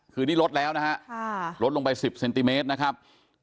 คือนี่ลดแล้วนะฮะลดลงไป๑๐เซนติเมตรนะครับ